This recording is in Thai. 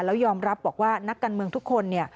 แล้วยอมรับบอกว่านักการเมืองทุกคน